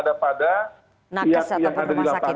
nakes atau perumah sakit